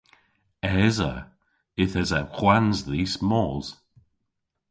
Esa. Yth esa hwans dhis mos.